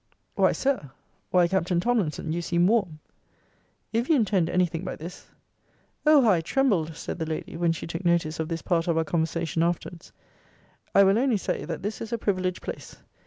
Why, Sir! Why, Captain Tomlinson, you seem warm. If you intend any thing by this, [O how I trembled! said the lady, when she took notice of this part of our conversation afterwards,] I will only say, that this is a privileged place.